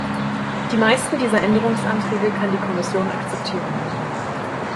Die meisten dieser Änderungsanträge kann die Kommission akzeptieren.